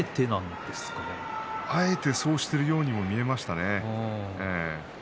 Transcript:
あえてそうしているようにも見えましたよね。